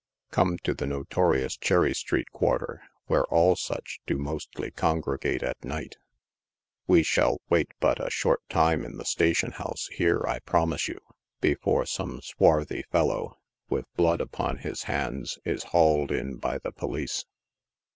Come to the notorious Cherry street quarter, where all such do mostly congre gate at night. We shall wait but a short time in the station house here, I promise you, before some swarthy fellow, with blood upon his hands, is hauled in by the police.